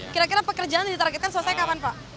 kira kira pekerjaan yang ditargetkan selesai kapan pak